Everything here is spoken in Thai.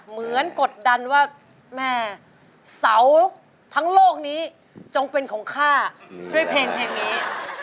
กดดันว่าแม่เสาทั้งโลกนี้จงเป็นของข้าด้วยเพลงนี้